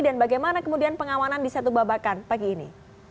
dan bagaimana kemudian pengawanan di setu babakan pagi ini